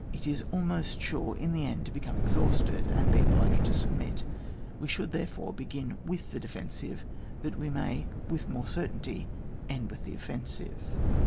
it is almost sure in the end to become exhausted, and be obliged to submit We should therefore begin with the defensive, that we may with the more certainty end with the offensive.